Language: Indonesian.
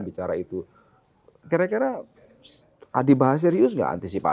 bicara itu kira kira di bahas serius gak antisipasi